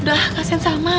udah kasian salma